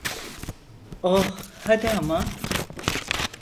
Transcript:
Oh, hadi ama.